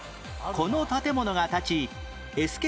この建物が建ち